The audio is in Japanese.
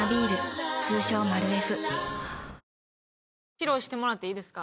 披露してもらっていいですか？